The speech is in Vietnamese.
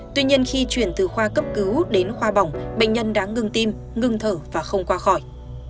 tuy nhiên khi chuyển từ khoa cấp cứu đến khoa bỏng bệnh nhân đã ngừng tim ngừng thở và không qua khỏi